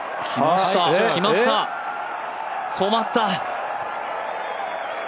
止まった！